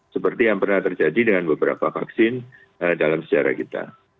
seperti yang pernah terjadi dengan beberapa vaksin dalam sejarah kita